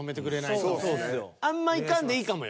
あんまいかんでいいかもよ。